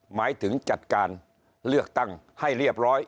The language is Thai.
หมายถึงจัดการเลือกตั้งให้เรียบร้อย